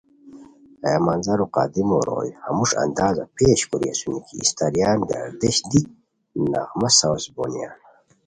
ہیہ منظرو قدیمو روئے ہموݰ اندازا پیش کوری اسونی کی استاریان گردشہ دی نغمہ ساؤز بونیان